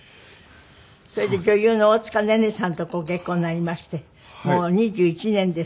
それで女優の大塚寧々さんとご結婚になりましてもう２１年ですってね。